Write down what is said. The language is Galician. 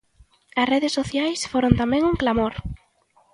As redes sociais foron tamén un clamor.